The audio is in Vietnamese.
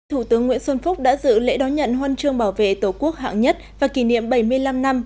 thủ tướng nguyễn xuân phúc đã giữ lễ đón nhận hoan trương bảo vệ tổ quốc hạng nhất và kỷ niệm bảy mươi năm năm